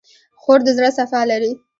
خور د زړه صفا لري.